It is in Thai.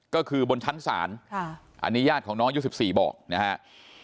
ก็คือบนชั้นศาลอันนี้ญาติของน้องยุค๑๔บอกนะครับ